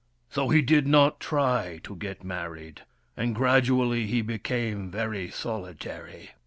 So he did not try to get married, and gradually he became very solitary.